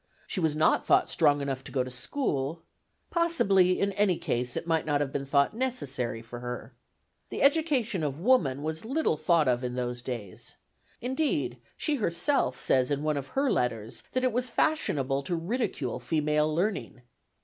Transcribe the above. She was not thought strong enough to go to school; possibly in any case it might not have been thought necessary for her. The education of woman was little thought of in those days; indeed, she herself says in one of her letters that it was fashionable to ridicule female learning.